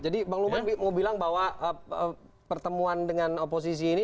jadi bang luman mau bilang bahwa pertemuan dengan oposisi ini